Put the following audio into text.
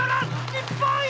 日本一！